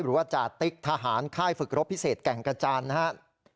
หรือว่าจาติ๊กทหารค่ายฝึกรบพิเศษแก่งกระจานนะครับ